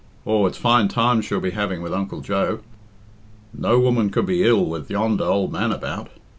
Aw, it's fine times she'll be having with Uncle Joe. No woman could be ill with yonder ould man about.